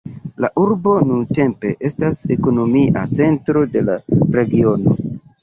La urbo nuntempe estas ekonomia centro de la regiono.